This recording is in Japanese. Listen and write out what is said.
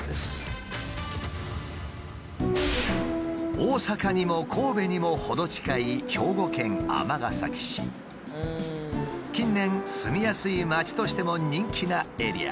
大阪にも神戸にも程近い近年住みやすい街としても人気なエリア。